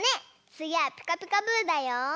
つぎは「ピカピカブ！」だよ。